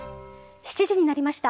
７時になりました。